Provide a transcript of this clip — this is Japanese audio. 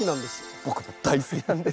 僕も大好きなんです。